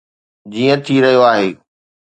جيئن ٿي رهيو آهي.